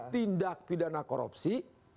tindak pidana korupsi